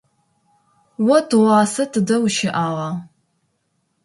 О тыгъуасэ тыдэ ущыӏагъа?